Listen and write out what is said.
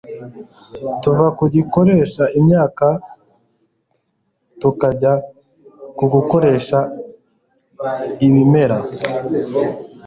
tuva ku gukoresha inyama tukajya ku gukoresha ibimera